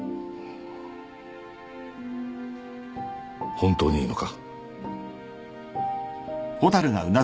本当にいいのか？